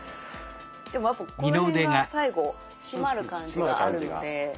やっぱこの辺が最後締まる感じがあるので。